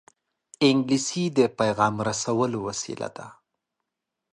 انګلیسي د پېغام رسولو وسیله ده